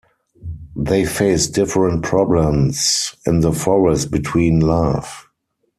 They face different problems in the forest between love.